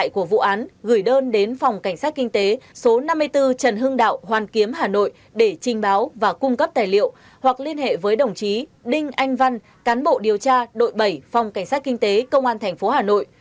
của vụ án gửi đơn đến phòng cảnh sát kinh tế số năm mươi bốn trần hưng đạo hoàn kiếm hà nội để trình báo và cung cấp tài liệu hoặc liên hệ với đồng chí đinh anh văn cán bộ điều tra đội bảy phòng cảnh sát kinh tế công an tp hà nội